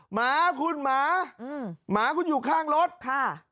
หมาคุณหมาหมาคุณอยู่ข้างรถ